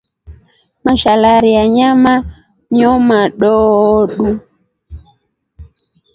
Mashalari ya nyama nyomadoodu.